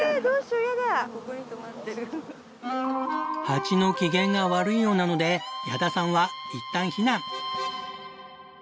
ハチの機嫌が悪いようなので矢田さんはいったん避難。